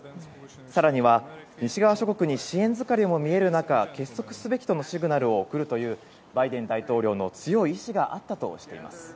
更には、西側諸国に支援疲れも見える中結束すべきとのシグナルを送るというバイデン大統領の強い意志があったとしています。